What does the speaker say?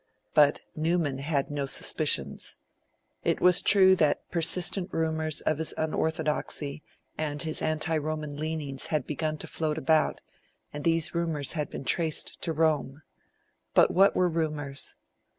But Newman had no suspicions. It was true that persistent rumours of his unorthodoxy and his anti Roman leanings had begun to float about, and these rumours had been traced to Rome. But what were rumours?